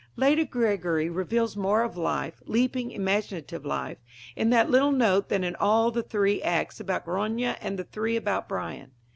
Lady Gregory reveals more of life leaping, imaginative life in that little note than in all the three acts about Grania and the three about Brian.